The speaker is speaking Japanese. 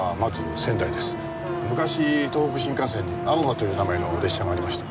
昔東北新幹線に「あおば」という名前の列車がありました。